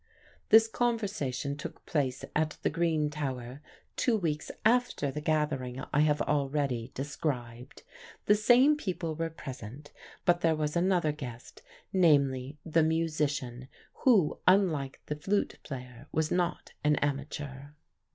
This conversation took place at the Green Tower two weeks after the gathering I have already described. The same people were present; but there was another guest, namely, the musician, who, unlike the flute player, was not an amateur.